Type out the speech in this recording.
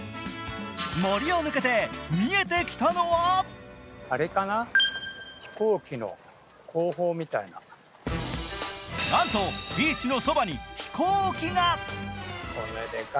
森を抜けて見えてきたのはなんとビーチのそばに飛行機が。